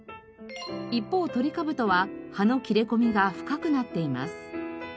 一方トリカブトは葉の切れ込みが深くなっています。